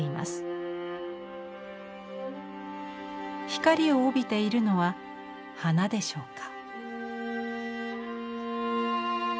光を帯びているのは花でしょうか。